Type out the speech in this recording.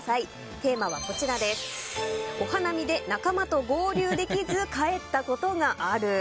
テーマは、お花見で仲間と合流できず帰ったことがある。